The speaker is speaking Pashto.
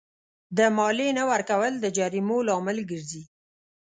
د مالیې نه ورکول د جریمو لامل ګرځي.